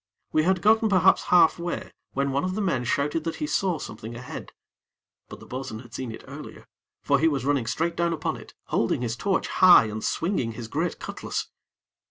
We had gotten perhaps halfway, when one of the men shouted that he saw something ahead; but the bo'sun had seen it earlier; for he was running straight down upon it, holding his torch high and swinging his great cutlass.